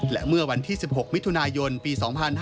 และเมื่อวันที่๑๖มิถุนายนปี๒๕๕๙